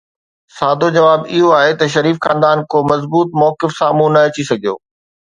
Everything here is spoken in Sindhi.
سادو جواب اهو آهي ته شريف خاندان ڪو مضبوط موقف سامهون نه اچي سگهيو.